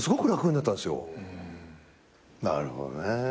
なるほどね。